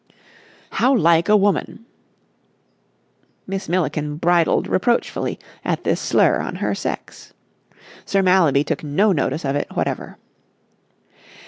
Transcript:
"How like a woman!" Miss Milliken bridled reproachfully at this slur on her sex. Sir Mallaby took no notice of it whatever.